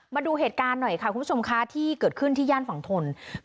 มาดูเหตุการณ์หน่อยค่ะคุณผู้ชมคะที่เกิดขึ้นที่ย่านฝั่งทน